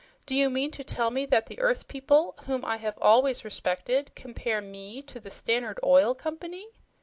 "Do you mean to tell me that the earth people whom I have always respected compare me to the Stannerd Oil Company?"